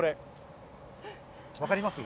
分かります？